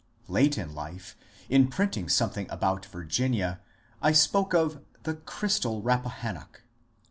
Late in life, in printing something about Virginia I spoke of ^^ the crystal Rappahannock."